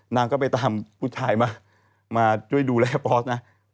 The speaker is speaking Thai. นางก็ไปตามผู้ชายมามาช่วยดูแลบอสนะ